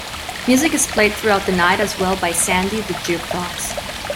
Music is played throughout the night as well by Sandy the Jukebox.